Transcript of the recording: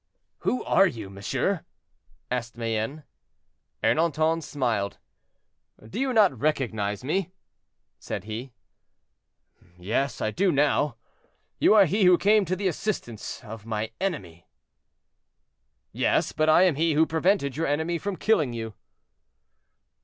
"Who are you, monsieur?" asked Mayenne. Ernanton smiled. "Do you not recognize me?" said he. "Yes, I do now; you are he who came to the assistance of my enemy." "Yes, but I am he who prevented your enemy from killing you."